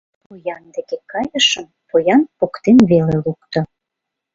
Поян деке кайышым Поян поктен веле лукто...